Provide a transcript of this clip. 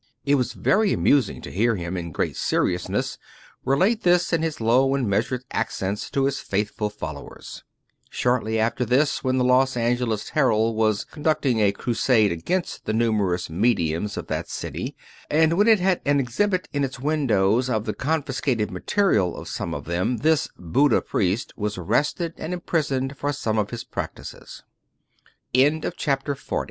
It was very amusing to hear him, in great seriousness, relate this in his low and measured accents to his faithful followers. Shortly after this, when the Los Angeles Herald was conducting a crusade against the numerous mediums of that city, and when it had an exhibit in its windows of the con fiscated material of some of them, this " Buddhist priest " was arrested a